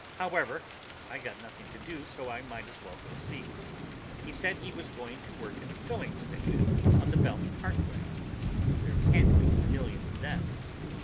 However, I got nothing to do, so I might as well go see. He said he was going to work in a filling station on the Belt Parkway, and there can't be a million of them.